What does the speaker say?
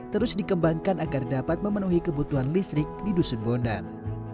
terus dikembangkan agar dapat memenuhi kebutuhan listrik di dusun bondan